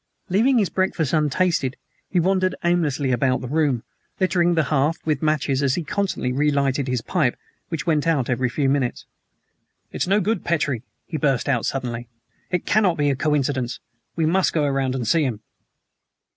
Leaving his breakfast untasted, he wandered aimlessly about the room, littering the hearth with matches as he constantly relighted his pipe, which went out every few minutes. "It's no good, Petrie," he burst out suddenly; "it cannot be a coincidence. We must go around and see him."